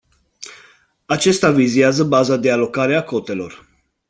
Acesta vizează baza de alocare a cotelor.